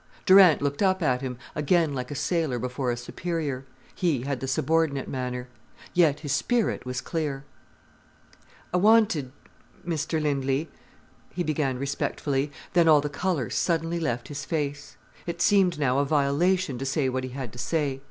Durant looked up at him, again like a sailor before a superior. He had the subordinate manner. Yet his spirit was clear. "I wanted, Mr Lindley——" he began respectfully, then all the colour suddenly left his face. It seemed now a violation to say what he had to say.